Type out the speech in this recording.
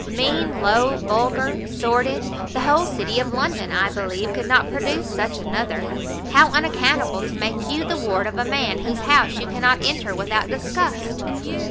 mean, low, vulgar, sordid! the whole city of London, I believe, could not produce such another! how unaccountable to make you the ward of a man whose house you cannot enter without disgust!"